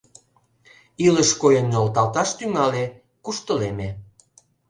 Илыш койын нӧлталташ тӱҥале, куштылеме.